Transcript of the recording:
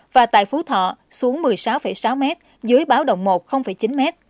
và tại phú thọ xuống một mươi sáu sáu m dưới báo động một chín m